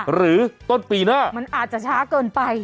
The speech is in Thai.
หรือต้นปีหน้ามันอาจจะช้าเกินไป